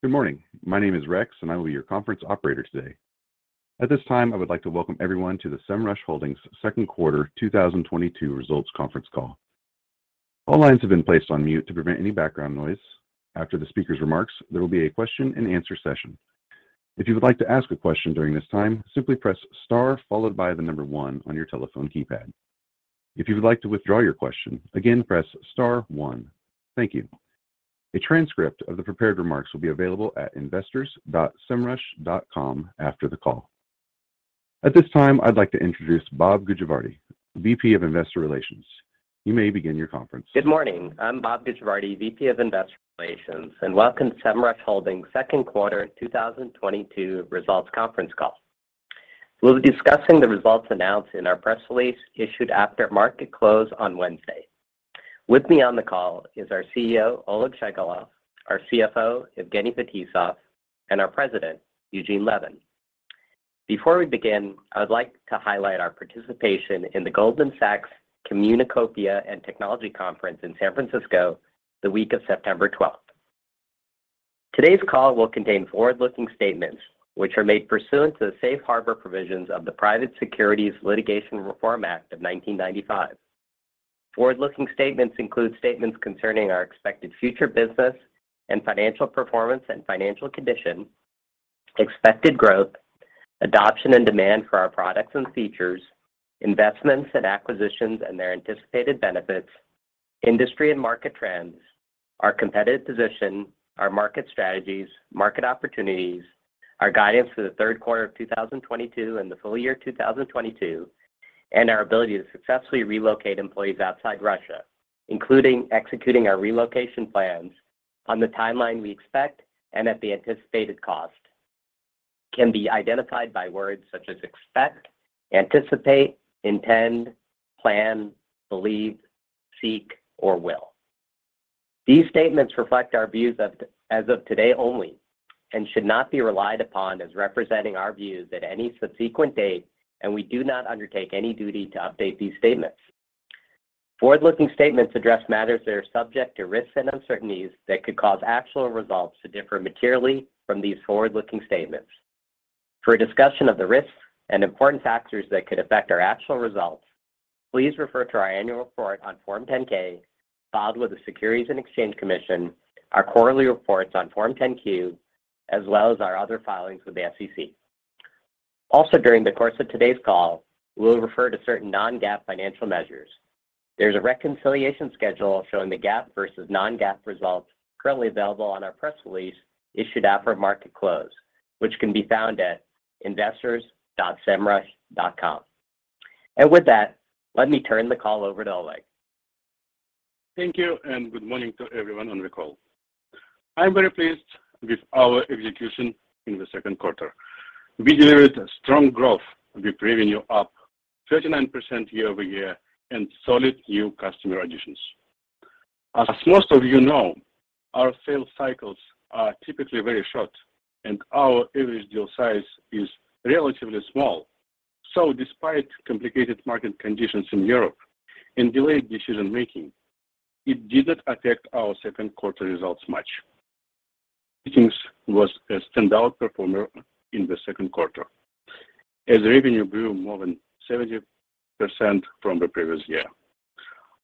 Good morning. My name is Rex, and I will be your conference operator today. At this time, I would like to welcome everyone to the Semrush Holdings second quarter 2022 results conference call. All lines have been placed on mute to prevent any background noise. After the speaker's remarks, there will be a question and answer session. If you would like to ask a question during this time, simply press Star followed by the number one on your telephone keypad. If you would like to withdraw your question, again, press Star one. Thank you. A transcript of the prepared remarks will be available at investors.semrush.com after the call. At this time, I'd like to introduce Bob Gujavarty, VP of Investor Relations. You may begin your conference. Good morning. I'm Bob Gujavarty, VP of Investor Relations, and welcome to Semrush Holdings second quarter 2022 results conference call. We'll be discussing the results announced in our press release issued after market close on Wednesday. With me on the call is our CEO, Oleg Shchegolev, our CFO, Evgeny Fetisov, and our President, Eugene Levin. Before we begin, I would like to highlight our participation in the Goldman Sachs Communacopia and Technology Conference in San Francisco, the week of September twelfth. Today's call will contain forward-looking statements which are made pursuant to the safe harbor provisions of the Private Securities Litigation Reform Act of 1995. Forward-looking statements include statements concerning our expected future business and financial performance and financial condition, expected growth, adoption and demand for our products and features, investments and acquisitions and their anticipated benefits, industry and market trends, our competitive position, our market strategies, market opportunities, our guidance for the third quarter of 2022 and the full-year 2022, and our ability to successfully relocate employees outside Russia, including executing our relocation plans on the timeline we expect and at the anticipated cost. Can be identified by words such as expect, anticipate, intend, plan, believe, seek, or will. These statements reflect our views as of today only, and should not be relied upon as representing our views at any subsequent date, and we do not undertake any duty to update these statements. Forward-looking statements address matters that are subject to risks and uncertainties that could cause actual results to differ materially from these forward-looking statements. For a discussion of the risks and important factors that could affect our actual results, please refer to our annual report on Form 10-K filed with the Securities and Exchange Commission, our quarterly reports on Form 10-Q, as well as our other filings with the SEC. Also, during the course of today's call, we will refer to certain non-GAAP financial measures. There's a reconciliation schedule showing the GAAP versus non-GAAP results currently available on our press release issued after market close, which can be found at investors.semrush.com. With that, let me turn the call over to Oleg. Thank you, and good morning to everyone on the call. I'm very pleased with our execution in the second quarter. We delivered strong growth with revenue up 39% year-over-year and solid new customer additions. As most of you know, our sales cycles are typically very short, and our average deal size is relatively small. Despite complicated market conditions in Europe and delayed decision-making, it didn't affect our second quarter results much. Listings was a standout performer in the second quarter as revenue grew more than 70% from the previous year.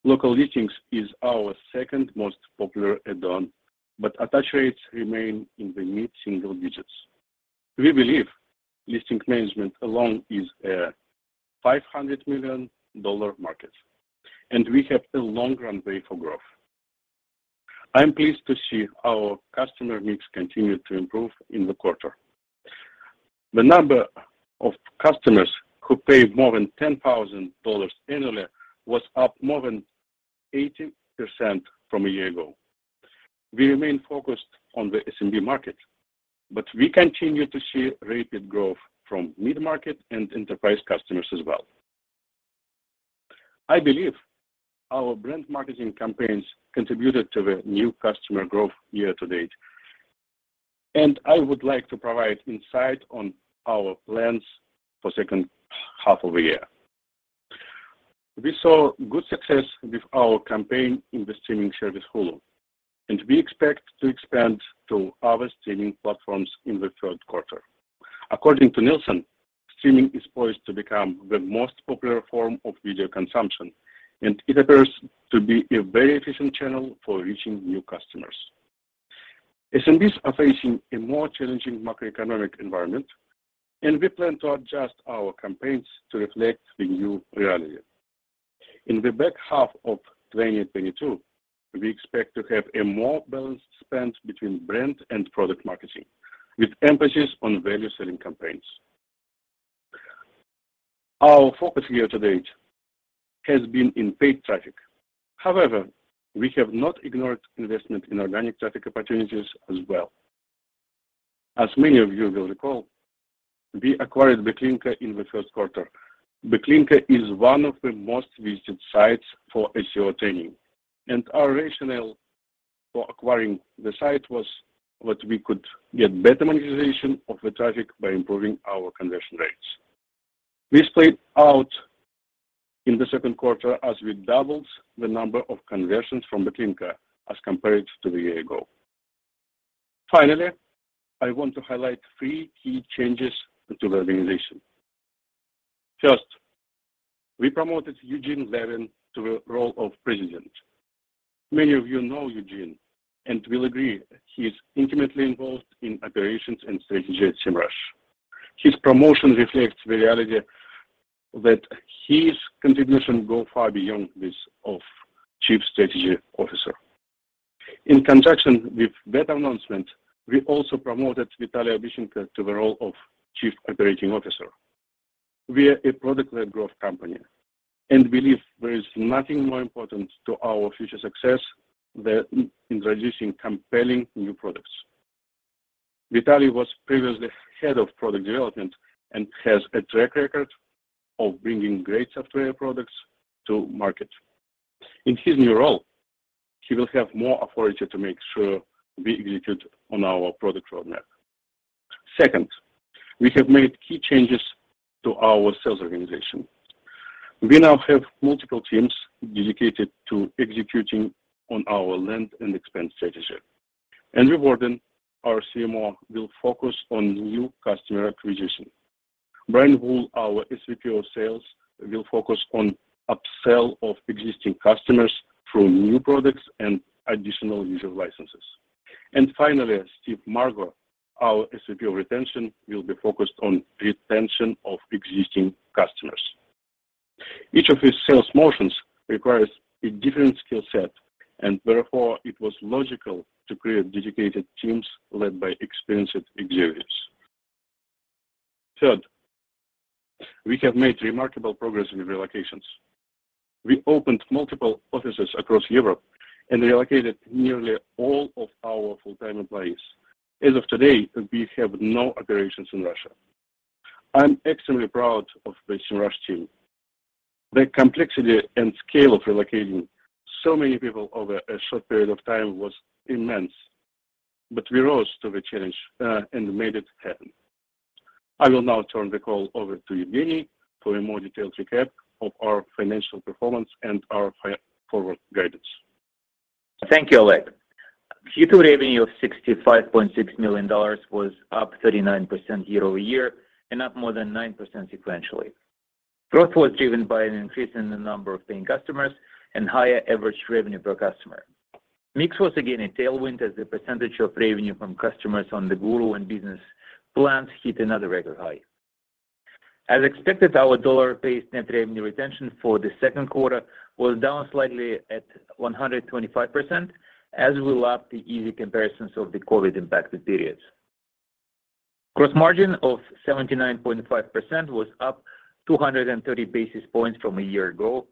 Local Listings is our second most popular add-on, but attach rates remain in the mid-single digits. We believe Listing Management alone is a $500 million market, and we have a long runway for growth. I am pleased to see our customer mix continue to improve in the quarter. The number of customers who paid more than $10,000 annually was up more than 80% from a year ago. We remain focused on the SMB market, but we continue to see rapid growth from mid-market and enterprise customers as well. I believe our brand marketing campaigns contributed to the new customer growth year to date, and I would like to provide insight on our plans for second half of the year. We saw good success with our campaign in the streaming service Hulu, and we expect to expand to other streaming platforms in the third quarter. According to Nielsen, streaming is poised to become the most popular form of video consumption, and it appears to be a very efficient channel for reaching new customers. SMBs are facing a more challenging macroeconomic environment, and we plan to adjust our campaigns to reflect the new reality. In the back half of 2022, we expect to have a more balanced spend between brand and product marketing, with emphasis on value-selling campaigns. Our focus year-to-date has been in paid traffic. However, we have not ignored investment in organic traffic opportunities as well. As many of you will recall, we acquired Backlinko in the first quarter. Backlinko is one of the most visited sites for SEO training, and our rationale for acquiring the site was what we could get better monetization of the traffic by improving our conversion rates. This played out in the second quarter as we doubled the number of conversions from Backlinko as compared to a year ago. Finally, I want to highlight three key changes to the organization. First, we promoted Eugene Levin to the role of president. Many of you know Eugene and will agree he is intimately involved in operations and strategy at Semrush. His promotion reflects the reality that his contributions go far beyond those of Chief Strategy Officer. In conjunction with that announcement, we also promoted Vitalii Obishchenko to the role of Chief Operating Officer. We are a product-led growth company, and believe there is nothing more important to our future success than introducing compelling new products. Vitalii was previously head of product development and has a track record of bringing great software products to market. In his new role, he will have more authority to make sure we execute on our product roadmap. Second, we have made key changes to our sales organization. We now have multiple teams dedicated to executing on our land and expand strategy. Andrew Warden, our CMO, will focus on new customer acquisition. Brian Mulroy, our SVP of sales, will focus on upsell of existing customers through new products and additional user licenses. Finally, Steve Murgo, our SVP of retention, will be focused on retention of existing customers. Each of these sales motions requires a different skill set, and therefore, it was logical to create dedicated teams led by experienced executives. Third, we have made remarkable progress in relocations. We opened multiple offices across Europe and relocated nearly all of our full-time employees. As of today, we have no operations in Russia. I'm extremely proud of the Semrush team. The complexity and scale of relocating so many people over a short period of time was immense, but we rose to the challenge, and made it happen. I will now turn the call over to Evgeny for a more detailed recap of our financial performance and our forward guidance. Thank you, Oleg. Q2 revenue of $65.6 million was up 39% year-over-year and up more than 9% sequentially. Growth was driven by an increase in the number of paying customers and higher average revenue per customer. Mix was again a tailwind as the percentage of revenue from customers on the Guru and Business plans hit another record high. As expected, our dollar-based net revenue retention for the second quarter was down slightly at 125% as we lap the easy comparisons of the COVID-impacted periods. Gross margin of 79.5% was up 230bps from a year ago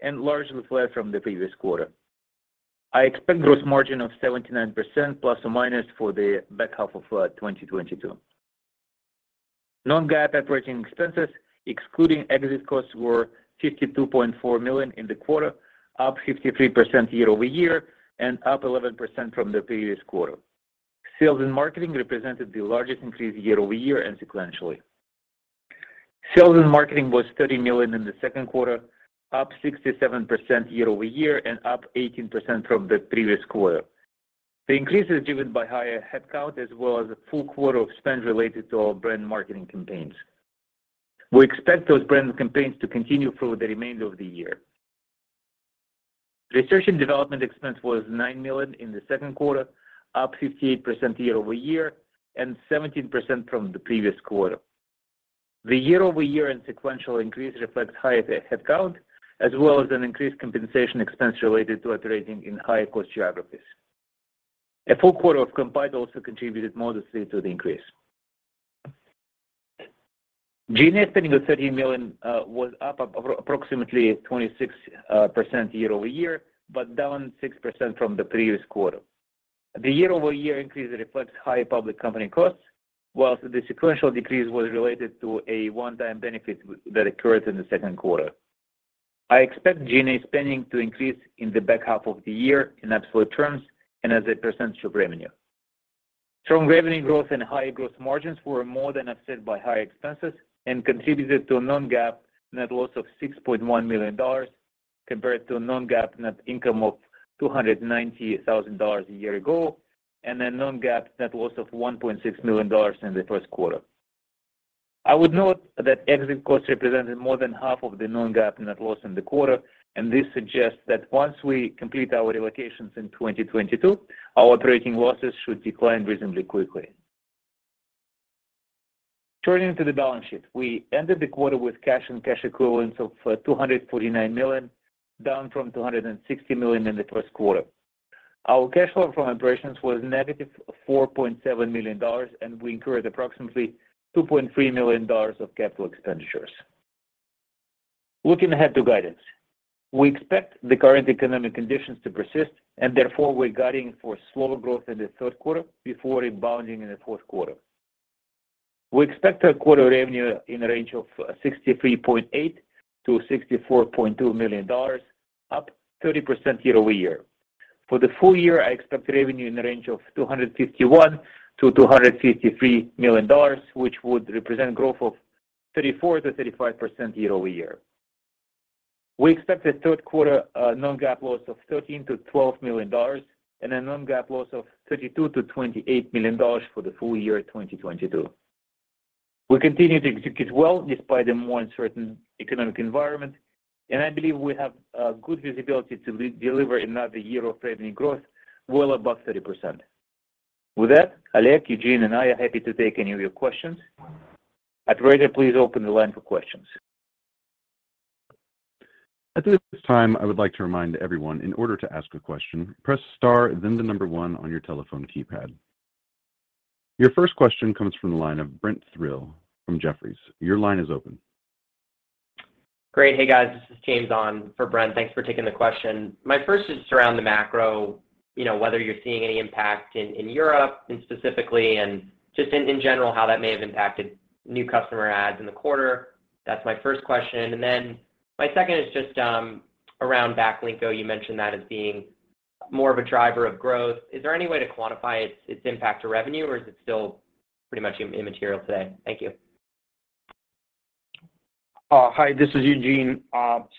and largely flat from the previous quarter. I expect gross margin of ±79% for the back half of 2022. non-GAAP operating expenses excluding exit costs were $52.4 million in the quarter, up 53% year-over-year and up 11% from the previous quarter. Sales and marketing represented the largest increase year-over-year and sequentially. Sales and marketing was $30 million in the second quarter, up 67% year-over-year and up 18% from the previous quarter. The increase is driven by higher headcount as well as a full quarter of spend related to our brand marketing campaigns. We expect those brand campaigns to continue through the remainder of the year. Research and development expense was $9 million in the second quarter, up 58% year-over-year and 17% from the previous quarter. The year-over-year and sequential increase reflects higher headcount as well as an increased compensation expense related to operating in higher cost geographies. A full quarter of Kompyte also contributed modestly to the increase. G&A spending of $30 million was up approximately 26% year-over-year, but down 6% from the previous quarter. The year-over-year increase reflects higher public company costs, while the sequential decrease was related to a one-time benefit that occurred in the second quarter. I expect G&A spending to increase in the back half of the year in absolute terms and as a percentage of revenue. Strong revenue growth and higher gross margins were more than offset by higher expenses and contributed to a non-GAAP net loss of $6.1 million compared to a non-GAAP net income of $290,000 a year ago and a non-GAAP net loss of $1.6 million in the first quarter. I would note that exit costs represented more than half of the non-GAAP net loss in the quarter, and this suggests that once we complete our relocations in 2022, our operating losses should decline reasonably quickly. Turning to the balance sheet, we ended the quarter with cash and cash equivalents of $249 million, down from $260 million in the first quarter. Our cash flow from operations was -$4.7 million, and we incurred approximately $2.3 million of capital expenditures. Looking ahead to guidance, we expect the current economic conditions to persist, and therefore, we're guiding for slower growth in the third quarter before rebounding in the fourth quarter. We expect our quarter revenue in a range of $63.8 million-$64.2 million, up 30% year-over-year. For the full-year, I expect revenue in the range of $251 million-$253 million, which would represent growth of 34%-35% year-over-year. We expect a third quarter non-GAAP loss of $13 million-$12 million and a non-GAAP loss of $32 million-$28 million for the full-year 2022. We continue to execute well despite the more uncertain economic environment, and I believe we have good visibility to re-deliver another year of revenue growth well above 30%. With that, Oleg, Eugene and I are happy to take any of your questions. Operator, please open the line for questions. At this time, I would like to remind everyone, in order to ask a question, press star then the number one on your telephone keypad. Your first question comes from the line of Brent Thill from Jefferies. Your line is open. Great. Hey, guys, this is James on for Brent Thill. Thanks for taking the question. My first is just around the macro, you know, whether you're seeing any impact in Europe and specifically and just in general, how that may have impacted new customer adds in the quarter. That's my first question. My second is just around Backlinko. You mentioned that as being more of a driver of growth. Is there any way to quantify its impact to revenue, or is it still pretty much immaterial today? Thank you. Hi, this is Eugene.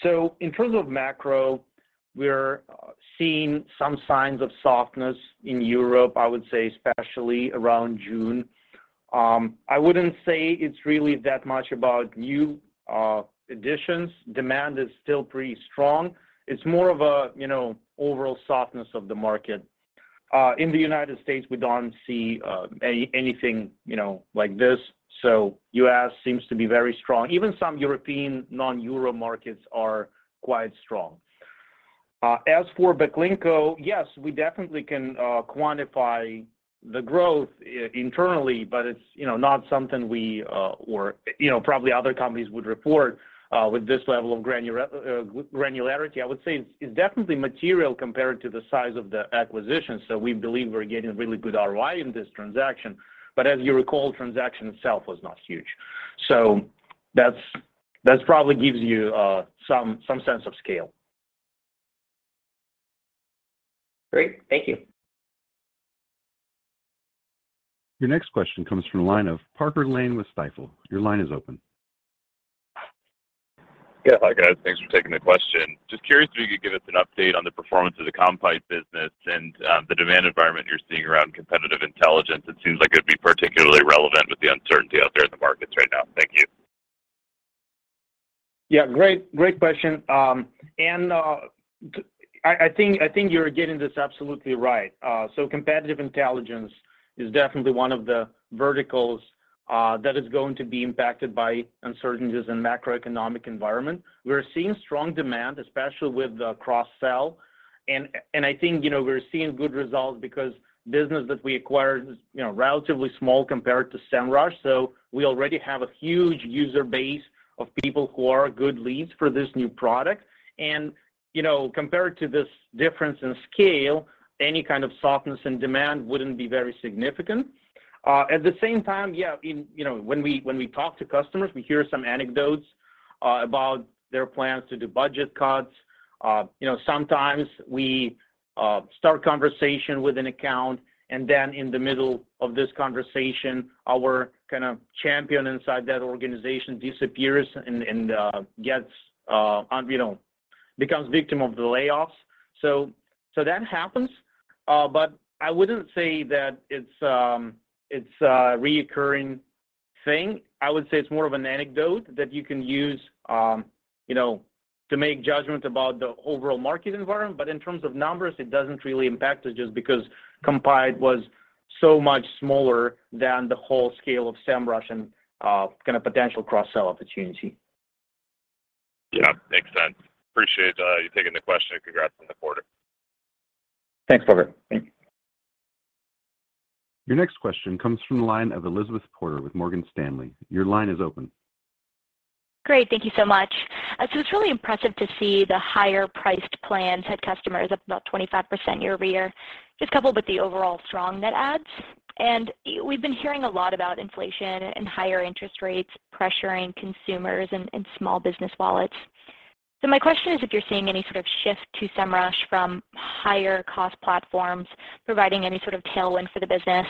In terms of macro, we're seeing some signs of softness in Europe, I would say especially around June. I wouldn't say it's really that much about new additions. Demand is still pretty strong. It's more of a, you know, overall softness of the market. In the United States, we don't see anything, you know, like this, so U.S. seems to be very strong. Even some European non-euro markets are quite strong. As for Backlinko, yes, we definitely can quantify the growth internally, but it's, you know, not something we, or, you know, probably other companies would report with this level of granularity. I would say it's definitely material compared to the size of the acquisition, so we believe we're getting really good ROI in this transaction. As you recall, transaction itself was not huge. That's probably gives you some sense of scale. Great. Thank you. Your next question comes from the line of J. Parker Lane with Stifel. Your line is open. Yeah. Hi, guys. Thanks for taking the question. Just curious if you could give us an update on the performance of the Kompyte business and the demand environment you're seeing around competitive intelligence. It seems like it'd be particularly relevant with the uncertainty out there in the markets right now. Thank you. Yeah, great question. I think you're getting this absolutely right. Competitive intelligence is definitely one of the verticals that is going to be impacted by uncertainties in macroeconomic environment. We're seeing strong demand, especially with the cross-sell. I think, you know, we're seeing good results because business that we acquired is, you know, relatively small compared to Semrush. So we already have a huge user base of people who are good leads for this new product. You know, compared to this difference in scale, any kind of softness in demand wouldn't be very significant. At the same time, you know, when we talk to customers, we hear some anecdotes about their plans to do budget cuts. You know, sometimes we start conversation with an account, and then in the middle of this conversation, our kind of champion inside that organization disappears and gets, you know, becomes victim of the layoffs. So that happens, but I wouldn't say that it's a recurring thing. I would say it's more of an anecdote that you can use, you know, to make judgments about the overall market environment. But in terms of numbers, it doesn't really impact us just because Kompyte was so much smaller than the whole scale of Semrush and kind of potential cross-sell opportunity. Yeah. Makes sense. Appreciate you taking the question, and congrats on the quarter. Thanks, Parker. Your next question comes from the line of Elizabeth Porter with Morgan Stanley. Your line is open. Great. Thank you so much. It's really impressive to see the higher-priced plans had customers up about 25% year-over-year, just coupled with the overall strong net adds. We've been hearing a lot about inflation and higher interest rates pressuring consumers and small business wallets. My question is if you're seeing any sort of shift to Semrush from higher cost platforms providing any sort of tailwind for the business?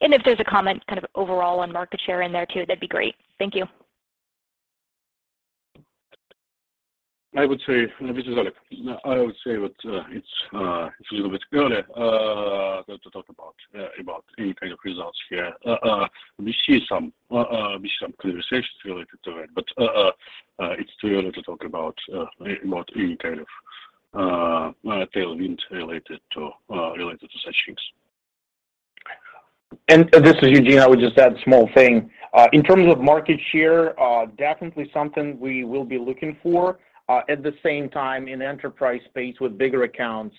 If there's a comment kind of overall on market share in there too, that'd be great. Thank you. This is Oleg. I would say that it's a little bit early to talk about any kind of results here. We see some conversations related to it, but it's too early to talk about any kind of tailwinds related to such things. This is Eugene. I would just add a small thing. In terms of market share, definitely something we will be looking for. At the same time, in the enterprise space with bigger accounts,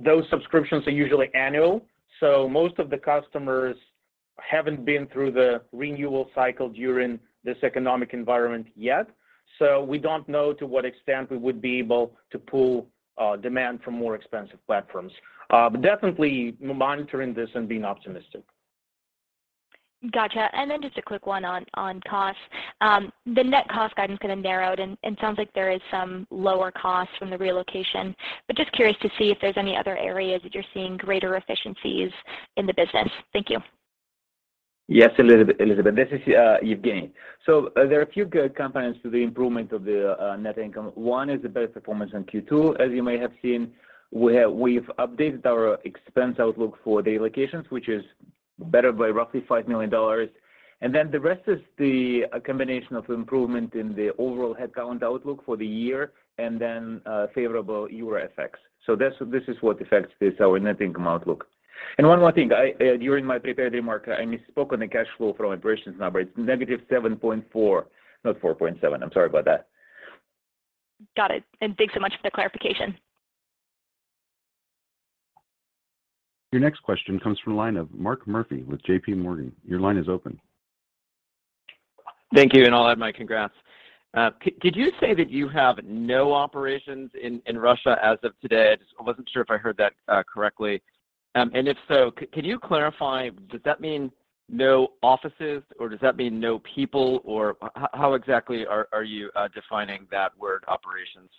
those subscriptions are usually annual, so most of the customers haven't been through the renewal cycle during this economic environment yet. We don't know to what extent we would be able to pull demand from more expensive platforms. Definitely monitoring this and being optimistic. Gotcha. Just a quick one on costs. The net cost guidance kind of narrowed and sounds like there is some lower cost from the relocation, but just curious to see if there's any other areas that you're seeing greater efficiencies in the business. Thank you. Yes, Elizabeth. Elizabeth, this is Evgeny. So there are a few good components to the improvement of the net income. One is the better performance in Q2. As you may have seen, we've updated our expense outlook for the allocations, which is better by roughly $5 million. Then the rest is the combination of improvement in the overall headcount outlook for the year and then favorable euro FX. So this is what affects our net income outlook. One more thing. I during my prepared remark, I misspoke on the cash flow from operations number. It's -7.4, not 4.7. I'm sorry about that. Got it. Thanks so much for the clarification. Your next question comes from the line of Mark Murphy with JP Morgan. Your line is open. Thank you, and I'll add my congrats. Could you say that you have no operations in Russia as of today? I just wasn't sure if I heard that correctly. If so, can you clarify, does that mean no offices, or does that mean no people, or how exactly are you defining that word operations?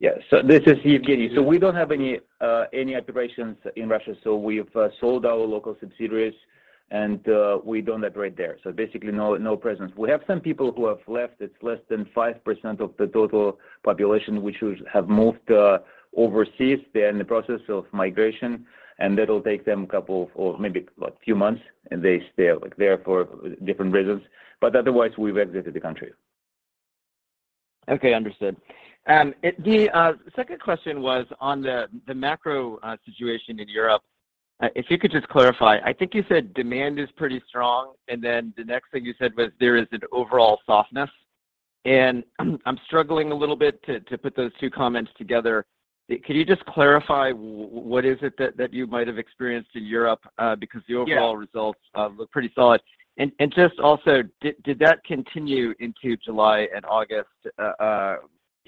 Yeah. This is Evgeny. We don't have any operations in Russia, so we've sold our local subsidiaries, and we don't operate there. Basically no presence. We have some people who have left. It's less than 5% of the total population, which would have moved overseas. They're in the process of migration, and that'll take them a couple or maybe a few months, and they stay there for different reasons. Otherwise, we've exited the country. Okay. Understood. The second question was on the macro situation in Europe. If you could just clarify. I think you said demand is pretty strong, and then the next thing you said was there is an overall softness. I'm struggling a little bit to put those two comments together. Can you just clarify what is it that you might have experienced in Europe? Because the overall- Yeah Results look pretty solid. Just also, did that continue into July and August, you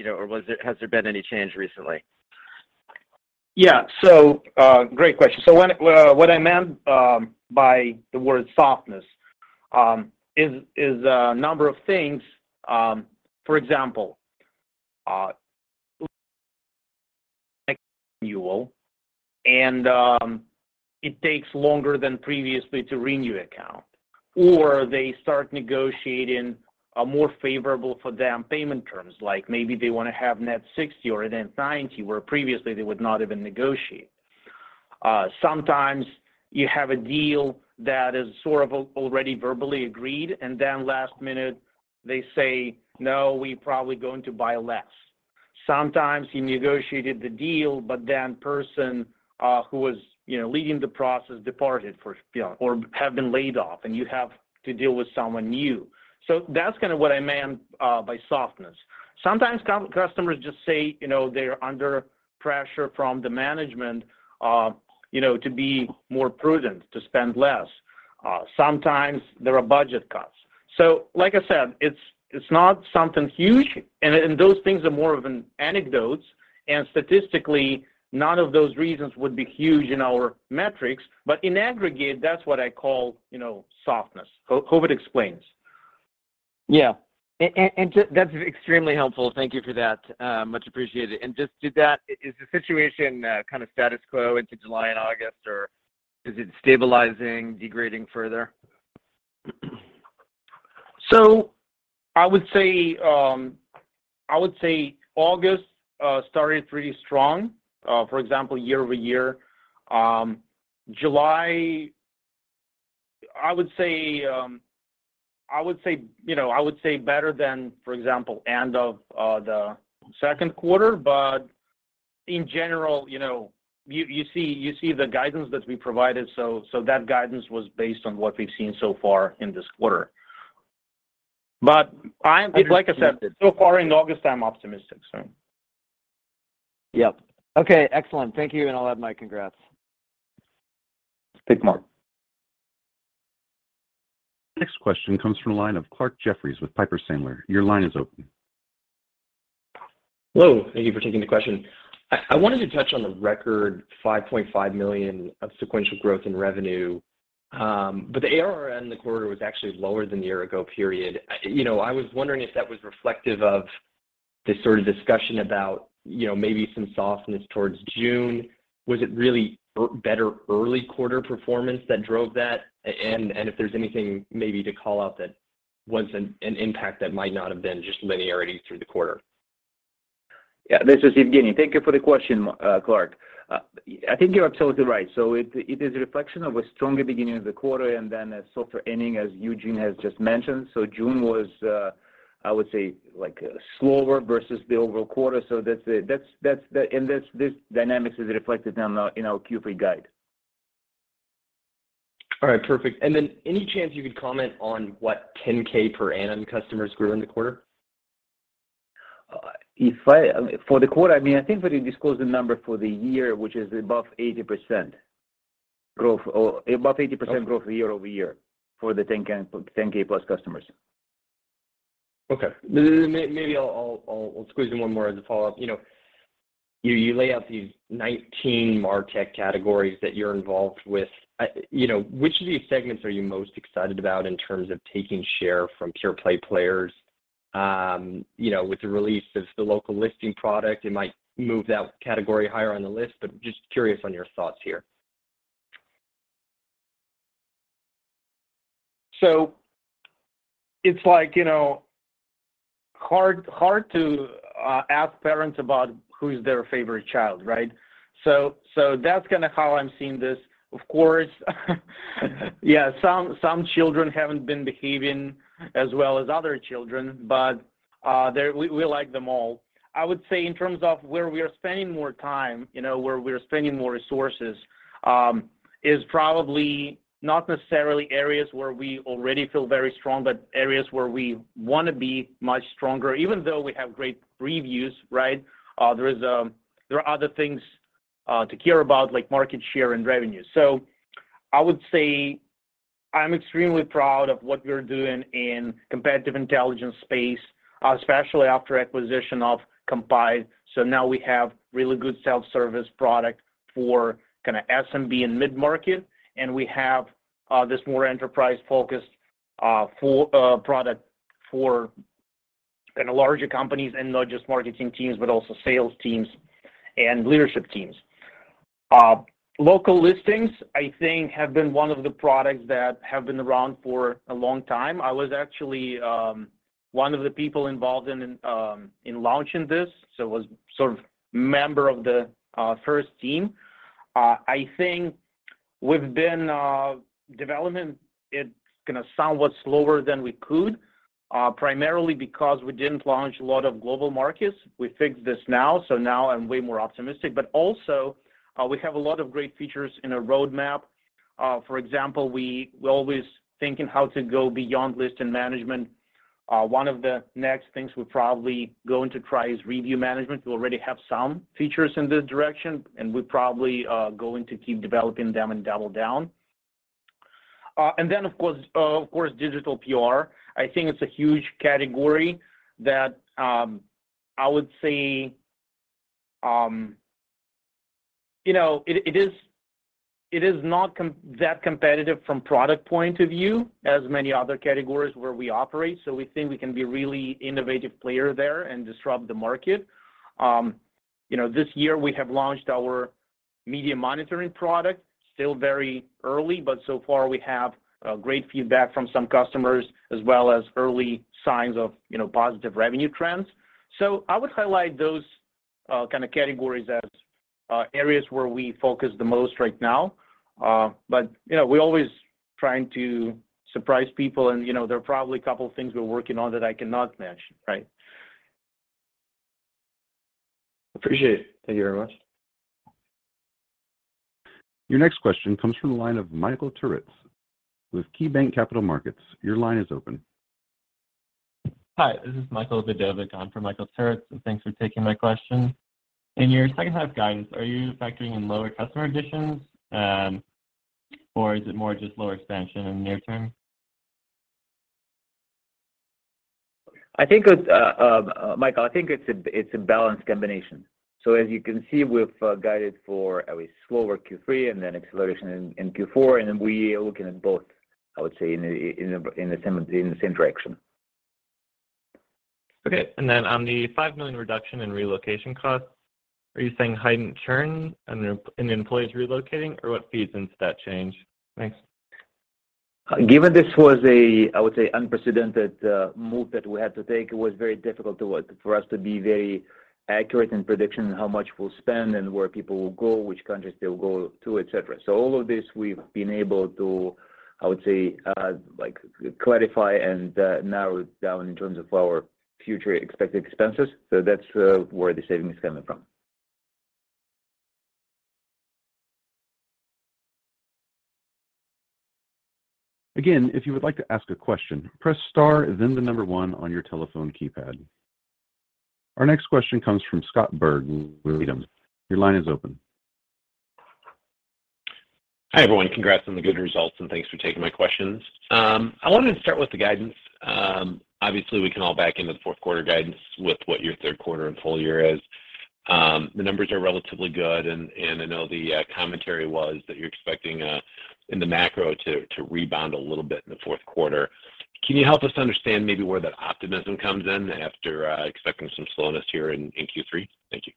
know, or has there been any change recently? Yeah. Great question. What I meant by the word softness is a number of things. For example, it takes longer than previously to renew account, or they start negotiating a more favorable for them payment terms, like maybe they wanna have net 60 or a net 90, where previously they would not even negotiate. Sometimes you have a deal that is sort of already verbally agreed, and then last minute they say, "No, we probably going to buy less." Sometimes you negotiated the deal, but then person who was, you know, leading the process departed for, you know, or have been laid off, and you have to deal with someone new. That's kinda what I meant by softness. Sometimes customers just say, you know, they're under pressure from the management, you know, to be more prudent, to spend less. Sometimes there are budget cuts. Like I said, it's not something huge. Those things are more of an anecdotes, and statistically, none of those reasons would be huge in our metrics. In aggregate, that's what I call, you know, softness. Hope it explains. Yeah. That's extremely helpful. Thank you for that. Much appreciated. Just, is that the situation kind of status quo into July and August, or is it stabilizing, degrading further? I would say August started pretty strong. For example, year-over-year. July, I would say, you know, better than, for example, end of the second quarter. In general, you know, you see the guidance that we provided, so that guidance was based on what we've seen so far in this quarter. I am Understood Like I said, so far in August, I'm optimistic, so. Yep. Okay. Excellent. Thank you, and I'll add my congrats. Thanks, Mark. Next question comes from the line of Clarke Jeffries with Piper Sandler. Your line is open. Hello. Thank you for taking the question. I wanted to touch on the record $5.5 million of sequential growth in revenue. The ARR in the quarter was actually lower than the year ago period. You know, I was wondering if that was reflective of this sort of discussion about, you know, maybe some softness towards June. Was it really a better early quarter performance that drove that? If there's anything maybe to call out that was an impact that might not have been just linearity through the quarter. Yeah. This is Evgeny. Thank you for the question, Clarke. I think you're absolutely right. It is a reflection of a stronger beginning of the quarter and then a softer ending, as Eugene has just mentioned. June was, I would say like slower versus the overall quarter. That's it. That's this dynamic is reflected in our Q3 guide. All right, perfect. Any chance you could comment on how 10K per annum customers grew in the quarter? For the quarter, I mean, I think we disclosed the number for the year, which is above 80% growth year-over-year for the 10K-plus customers. Okay. Let's squeeze in one more as a follow-up. You know, you lay out these 19 Mar tech categories that you're involved with. You know, which of these segments are you most excited about in terms of taking share from pure play players, you know, with the release of the local listing product? It might move that category higher on the list, but just curious on your thoughts here. It's like, you know, hard to ask parents about who's their favorite child, right? That's kinda how I'm seeing this. Of course yeah, some children haven't been behaving as well as other children, but we like them all. I would say in terms of where we are spending more time, you know, where we're spending more resources, is probably not necessarily areas where we already feel very strong, but areas where we wanna be much stronger. Even though we have great reviews, right? There are other things to care about, like market share and revenue. I would say I'm extremely proud of what we're doing in competitive intelligence space, especially after acquisition of Kompyte. Now we have really good self-service product for kinda SMB and mid-market, and we have this more enterprise-focused product for kinda larger companies, and not just marketing teams, but also sales teams and leadership teams. Local listings I think have been one of the products that have been around for a long time. I was actually one of the people involved in launching this, so was sort of member of the first team. I think we've been developing it kinda somewhat slower than we could, primarily because we didn't launch a lot of global markets. We fixed this now I'm way more optimistic. Also, we have a lot of great features in our roadmap. For example, we're always thinking how to go beyond listing management. One of the next things we're probably going to try is review management. We already have some features in this direction, and we're probably going to keep developing them and double down. Of course, digital PR, I think it's a huge category that, I would say, you know, it is not that competitive from product point of view as many other categories where we operate. We think we can be really innovative player there and disrupt the market. You know, this year we have launched our media monitoring product. Still very early, but so far we have great feedback from some customers as well as early signs of, you know, positive revenue trends. I would highlight those kinda categories as areas where we focus the most right now. you know, we're always trying to surprise people, and you know, there are probably a couple things we're working on that I cannot mention, right? Appreciate it. Thank you very much. Your next question comes from the line of Michael Turits with KeyBanc Capital Markets. Your line is open. Hi, this is Michael. Thank for taking my question. In your business guide are you expecting low customer addition and or is more low expansion Michael, I think it's a balanced combination. As you can see, we've guided for a slower Q3 and then acceleration in Q4, and then we are looking at both, I would say, in the same direction, Okay. On the $5 million reduction in relocation costs, are you saying heightened churn and the employees relocating or what feeds into that change? Thanks. Given this was a, I would say, unprecedented move that we had to take, it was very difficult to, for us to be very accurate in prediction in how much we'll spend and where people will go, which countries they'll go to, et cetera. All of this we've been able to, I would say, like clarify and, narrow it down in terms of our future expected expenses. That's where the saving is coming from. Again, if you would like to ask a question, press star and then the number one on your telephone keypad. Our next question comes from Scott Berg with Needham. Your line is open. Hi, everyone. Congrats on the good results, and thanks for taking my questions. I wanted to start with the guidance. Obviously we can all back into the fourth quarter guidance with what your third quarter and full-year is. The numbers are relatively good, and I know the commentary was that you're expecting in the macro to rebound a little bit in the fourth quarter. Can you help us understand maybe where that optimism comes in after expecting some slowness here in Q3? Thank you.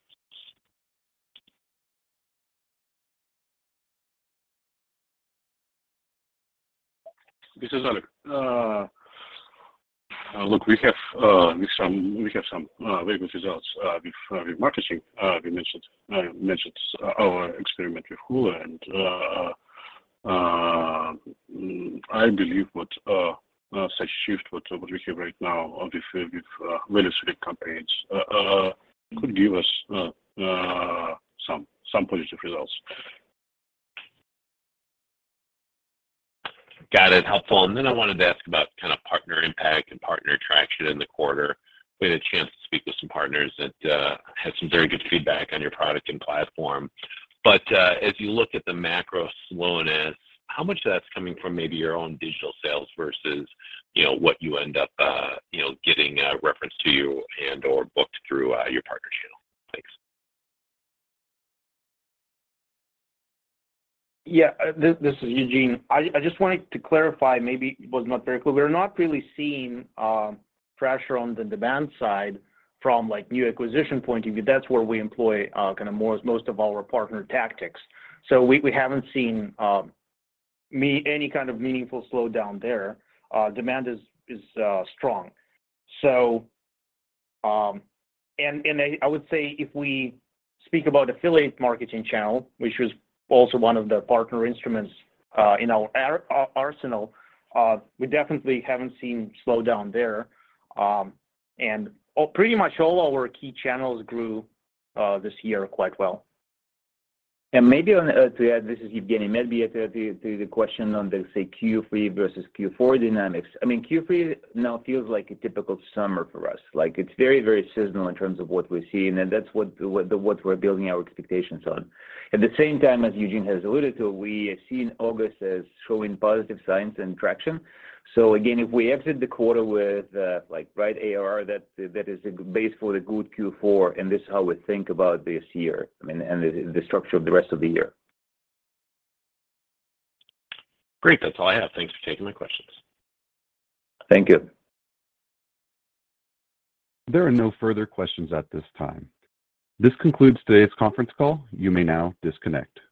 This is Oleg. Look, we have some very good results with remarketing. I mentioned our experiment with Hulu and I believe what such shift we have right now with the very strict campaigns some positive results. Got it. Helpful. Then I wanted to ask about kind of partner impact and partner traction in the quarter. We had a chance to speak with some partners that had some very good feedback on your product and platform. As you look at the macro slowness, how much of that's coming from maybe your own digital sales versus, you know, what you end up, you know, getting, referenced to you and or booked through, your partner channel? Thanks. Yeah. This is Eugene. I just wanted to clarify, maybe it was not very clear. We're not really seeing pressure on the demand side from like new acquisition point of view. That's where we employ kinda more, most of our partner tactics. We haven't seen any kind of meaningful slowdown there. Demand is strong. I would say if we speak about affiliate marketing channel, which was also one of the partner instruments in our arsenal, we definitely haven't seen slowdown there. Pretty much all our key channels grew this year quite well. Maybe to add, this is Evgeny. Maybe to the question on, say, Q3 versus Q4 dynamics. I mean, Q3 now feels like a typical summer for us. Like it's very, very seasonal in terms of what we're seeing, and that's what we're building our expectations on. At the same time, as Eugene has alluded to, we have seen August as showing positive signs and traction. Again, if we exit the quarter with like right ARR, that is a base for a good Q4, and this is how we think about this year and the structure of the rest of the year. Great. That's all I have. Thanks for taking my questions. Thank you. There are no further questions at this time. This concludes today's conference call. You may now disconnect.